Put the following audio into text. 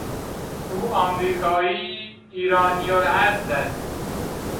او امریکایی ایرانیالاصل است.